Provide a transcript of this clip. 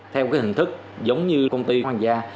theo cái hình thức giống như công ty hoàng gia